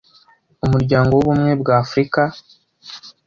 Umuryango w’Ubumwe bwa Afurika